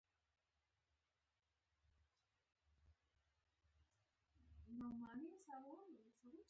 ثبوت د باور د صداقت څرګندونه کوي.